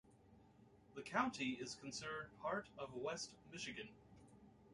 The county is considered part of West Michigan.